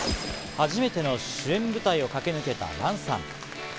初めての主演舞台を駆け抜けたＲＡＮさん。